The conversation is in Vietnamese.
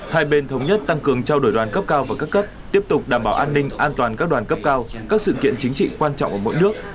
hai bên thống nhất tăng cường trao đổi đoàn cấp cao và các cấp tiếp tục đảm bảo an ninh an toàn các đoàn cấp cao các sự kiện chính trị quan trọng ở mỗi nước